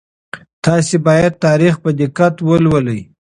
تاسي باید تاریخ په دقت ولولئ.